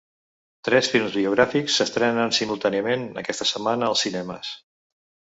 Tres films biogràfics s’estrenen simultàniament aquesta setmana als cinemes.